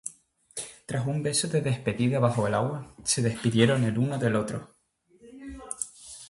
Tras un beso de despedida bajo el agua, se despidieron el uno del otro.